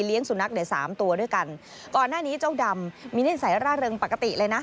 เลี้ยงสุนัขเดี๋ยว๓ตัวด้วยกันก่อนหน้านี้เจ้าดำมีเนื้อใส่ร่าเริงปกติเลยนะ